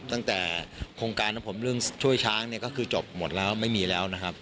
ตั้งแต่โครงการของผมเรื่องช่วยช้างเนี่ยก็คือจบหมดแล้วไม่มีแล้วนะครับ